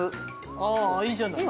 ああいいじゃない。